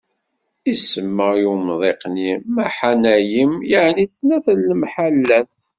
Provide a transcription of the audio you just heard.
Isemma i umḍiq-nni Maḥanayim, yeɛni snat n lemḥallat.